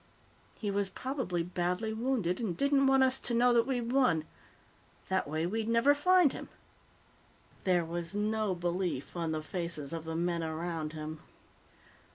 He was probably badly wounded and didn't want us to know that we'd won. That way, we'd never find him." There was no belief on the faces of the men around him.